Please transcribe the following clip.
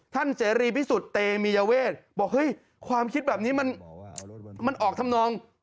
เสรีพิสุทธิ์เตมียเวทบอกเฮ้ยความคิดแบบนี้มันออกทำนอง